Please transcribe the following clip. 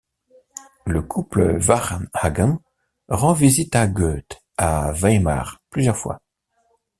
Le couple Varnhagen rend visite à Goethe à Weimar plusieurs fois.